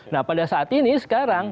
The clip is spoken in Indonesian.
nah pada saat ini sekarang